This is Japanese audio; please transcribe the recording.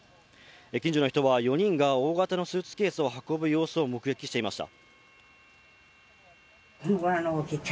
近所の人は４人が大型のスーツケースを運ぶ様子を目撃していました。